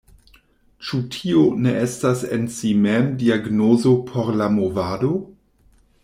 Ĉu tio ne estas en si mem diagnozo por la movado?